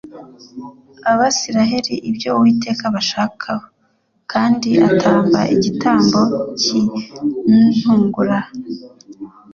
Abasiraheri ibyo uwiteka abashakaho Kandi atamba igitambo cy’ ntungura.